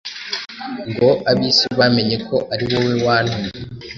ngo ab’isi bamenye ko ari wowe wantumye,